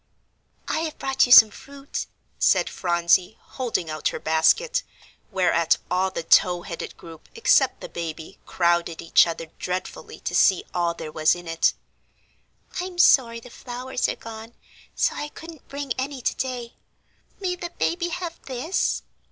"I have brought you some fruit," said Phronsie, holding out her basket, whereat all the tow headed group except the baby crowded each other dreadfully to see all there was in it. "I'm sorry the flowers are gone, so I couldn't bring any to day. May the baby have this?"